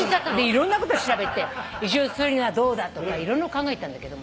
いろんなことを調べて移住するにはどうだとか色々考えてたんだけども。